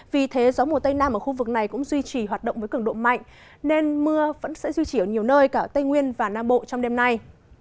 vì thế gió mùa tây nam ở khu vực này cũng duy trì hoạt động với cường độ mạnh nên mưa vẫn sẽ duy trì ở nhiều nơi cả ở tây nguyên và nam bộ trong đêm nay